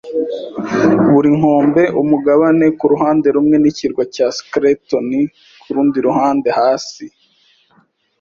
buri nkombe, umugabane kuruhande rumwe n'ikirwa cya Skeleton kurundi ruhande. Hasi